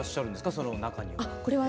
その中には。